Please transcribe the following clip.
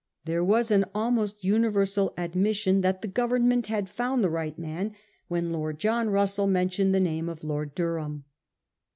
There was an almost universal admission that the Government had found the right man when 1838. LORD DURHAM. 61 Lord John Russell mentioned the name of Lord Durham.